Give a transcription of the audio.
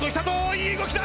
いい動きだ！